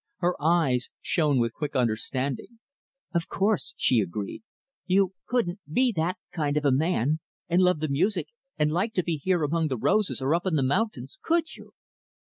Her eyes shone with quick understanding. "Of course," she agreed, "you couldn't be that kind of a man, and love the music, and like to be here among the roses or up in the mountains, could you?"